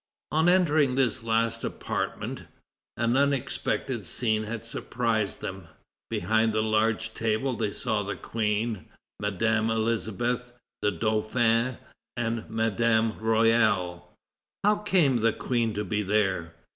On entering this last apartment, an unexpected scene had surprised them. Behind the large table they saw the Queen, Madame Elisabeth, the Dauphin, and Madame Royale. How came the Queen to be there?